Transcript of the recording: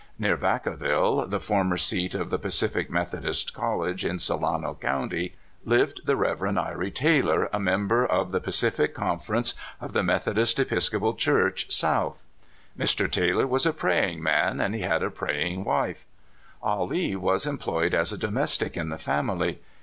Near Vacaville, the former seat of the Pacific Methodist College, in Solan a county, lived the Rev. Try Taylor, a member of 200 CALIFORNIA SKETCHES. the Pacific Conference of the Methodist Episcopal Church, South. Mr. Taylor was a praying man, and he had a praying wife. Ah Lee was employed as a domestic in the family.